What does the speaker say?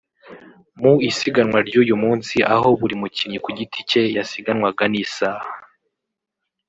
Mu isiganwa ry’uyu munsi aho buri mukinnyi ku giti cye yasiganwaga n’isaha